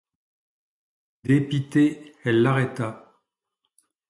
Dépitée, elle l'arrêta.